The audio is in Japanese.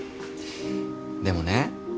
でもね